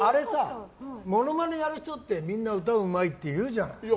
モノマネやる人ってみんな歌うまいって言うじゃん。